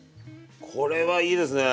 これはいいですね。